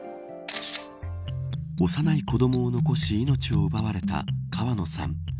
幼い子どもを残し命を奪われた川野さん。